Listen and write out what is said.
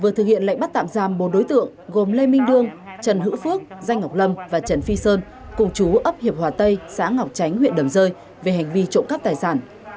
vừa thực hiện lệnh bắt tạm giam bốn đối tượng gồm lê minh đương trần hữu phước danh ngọc lâm và trần phi sơn cùng chú ấp hiệp hòa tây xã ngọc tránh huyện đầm rơi về hành vi trộm cắp tài sản